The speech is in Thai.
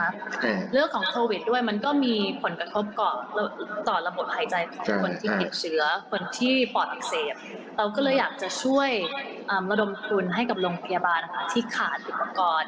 พอดักเซมเราก็เลยอยากช่วยระดมธุนให้กับโรงพยาบาลที่ขาดอีกออกออน